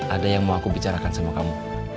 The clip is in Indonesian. ada yang mau aku bicarakan sama kamu